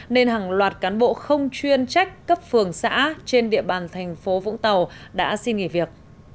nên hàng loạt cán bộ không chuyên trách cấp phường xã trên địa bàn thành phố vũng tàu đã xin nghỉ việc